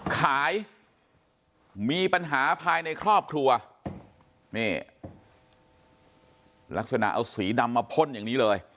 ขายมีปัญหาภายในครอบครัวนี่ลักษณะเอาสีดำมาพ่นอย่างนี้เลย